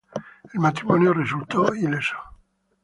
El matrimonio resultó ileso.